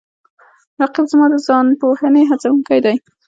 رقیب زما د ځان پوهې هڅوونکی دی